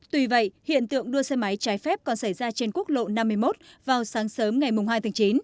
tuy vậy hiện tượng đua xe máy trái phép còn xảy ra trên quốc lộ năm mươi một vào sáng sớm ngày hai tháng chín